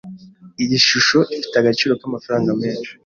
Iyi shusho ifite agaciro k'amafaranga menshi.